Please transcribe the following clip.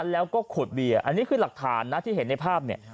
แล้วก็ขวดเบียร์อันนี้คือหลักฐานนะที่เห็นในภาพเนี่ย